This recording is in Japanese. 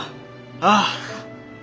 ああ！